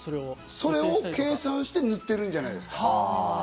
それを計算して塗ってるんじゃないですか。